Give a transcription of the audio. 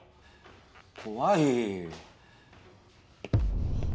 怖い。